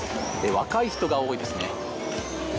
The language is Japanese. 若い人が多いですね。